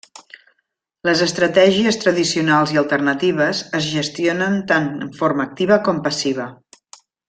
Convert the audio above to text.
Les estratègies tradicionals i alternatives es gestionen tant en forma activa com passiva.